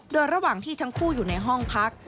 โดยระหว่างที่ทั้งคู่อยู่ในห้องพัก